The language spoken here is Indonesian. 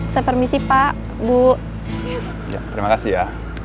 saya permisi pak bu terima kasih ya